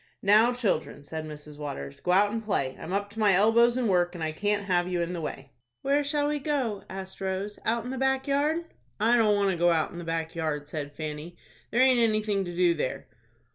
"Now, children," said Mrs. Waters, "go out and play. I'm up to my elbows in work, and I can't have you in the way." "Where shall we go?" asked Rose. "Out in the back yard." "I don't want to go out in the back yard," said Fanny; "there aint anything to do there."